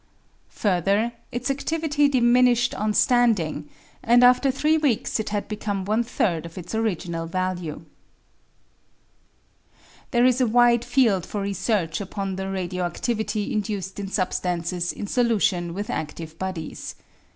Further, its adivity diminished on standing, and after three weeks it had become one third of its original value. There is a wide field for research upon the radio adivity induced in substances in solution with adive bodies.